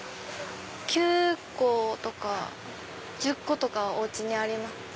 ９個とか１０個とかお家にあります。